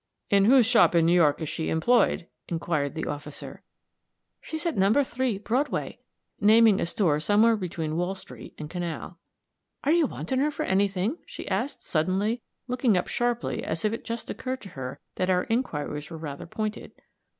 "In whose shop in New York is she employed?" inquired the officer. "She's at No 3 Broadway," naming a store somewhere between Wall street and Canal. "Are you wanting her for any thing?" she asked, suddenly, looking up sharply as if it just occurred to her that our inquiries were rather pointed.